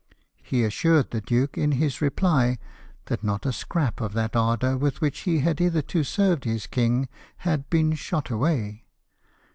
He assured the duke in his reply that not a scrap of that ardour with which he had hitherto served his king had been shot away.